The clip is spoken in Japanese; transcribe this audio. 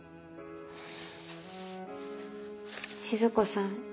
静子さん